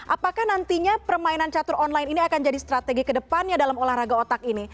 apakah nantinya permainan catur online ini akan jadi strategi ke depannya dalam olahraga otak ini